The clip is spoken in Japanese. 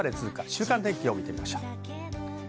週間天気を見てみましょう。